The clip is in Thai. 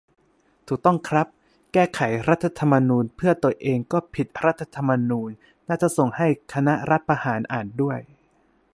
ถูกต้องครับ "แก้ไขรัฐธรรมนูญเพื่อตัวเองก็ผิดรัฐธรรมนูญ" น่าจะส่งให้คณะรัฐประหารอ่านด้วย